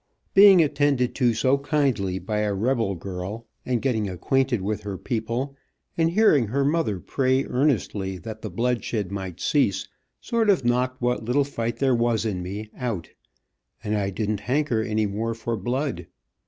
Being attended to so kindly by a rebel girl and getting acquainted with her people, and hearing her mother pray earnestly that the bloodshed might cease, sort of knocked what little fight there was in me, out, and I didn't hanker any more for blood.